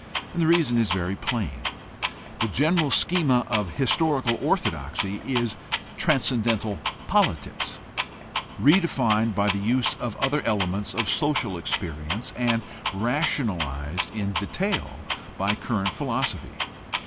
The reason is very plain. The general schema of historical ortho doxy is transcendental politics redefined by the use of other elements of social experience and rationalized in detail by current philosophy.